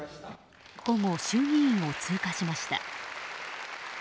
午後、衆議院を通過しました。